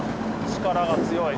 力が強い。